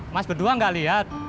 mas berdua nggak lihat